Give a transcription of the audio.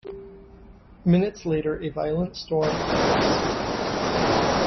Minutes later, a violent storm occurs.